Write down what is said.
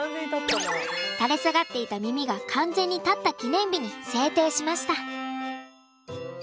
垂れ下がっていた耳が完全に立った記念日に制定しました。